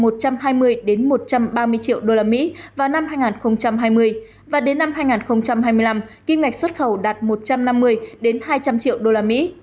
triệu đô la mỹ vào năm hai nghìn hai mươi và đến năm hai nghìn hai mươi năm kinh ngạch xuất khẩu đạt một trăm năm mươi hai trăm linh triệu đô la mỹ